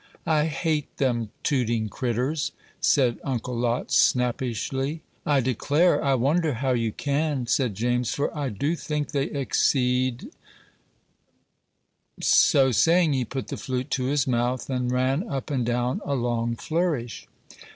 "I hate them tooting critturs," said Uncle Lot, snappishly. "I declare! I wonder how you can," said James, "for I do think they exceed " So saying, he put the flute to his mouth, and ran up and down a long flourish.